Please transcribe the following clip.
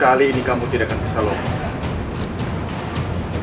kali ini kamu tidak akan bisa lolos